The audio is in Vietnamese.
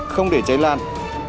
không để cháy lan